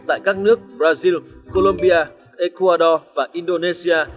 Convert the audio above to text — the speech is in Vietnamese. tại các nước brazil colombia ecuador và indonesia